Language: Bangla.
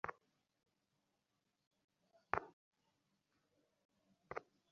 গুরুতর অবস্থায় তাঁকে সিলেট ওসমানী মেডিকেল কলেজ হাসপাতালে ভর্তি করা হয়েছে।